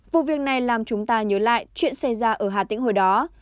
vụ việc này làm chúng ta nhớ lại chuyện xảy ra ở hà tĩnh hồi đó